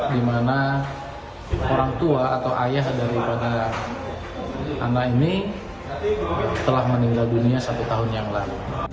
di mana orang tua atau ayah daripada anak ini telah meninggal dunia satu tahun yang lalu